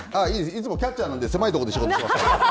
いつもキャッチャーなんで狭い所で仕事しています。